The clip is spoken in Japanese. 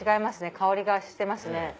香りがしてますね。